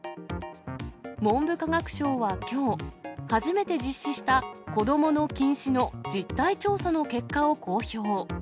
文部科学省はきょう、初めて実施した子どもの近視の実態調査の結果を公表。